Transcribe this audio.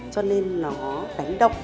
cho nên nó đánh động